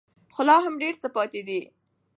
خو لا هم ډېر څه پاتې دي.